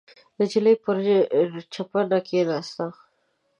نجلۍ پر چینه کېناسته.